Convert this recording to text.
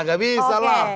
enggak bisa lah